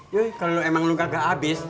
yoi kalau emang lu gak habis